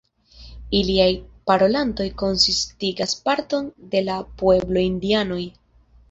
Iliaj parolantoj konsistigas parton de la pueblo-indianoj.